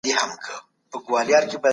ازادي تر غلامۍ او انحصار زياته خوږه ده.